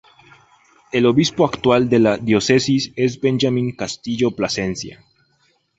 El obispo actual de la diócesis es Benjamín Castillo Plascencia.